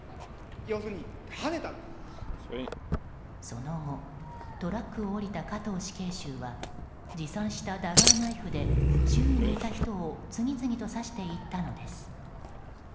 その後、トラックを降りた加藤死刑囚は持参したダガーナイフで周囲にいた人を次々と刺していったのです。